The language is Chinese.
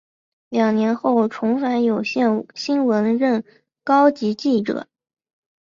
两年后重返有线新闻任高级记者。